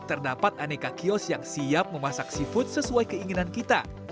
terdapat aneka kios yang siap memasak seafood sesuai keinginan kita